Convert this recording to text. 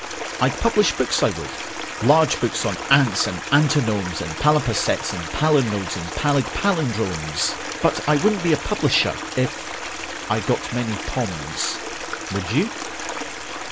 I'd publish books, I would large books on ants and antinomes And palimpsests and palinodes and pallid pallindromes: But I wouldn't be a publisher if .... I got many "pomes." Would you?